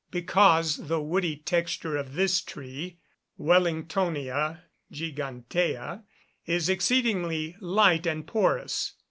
_ Because the woody texture of this tree (Wellingtonea gigantea) is exceedingly light and porous.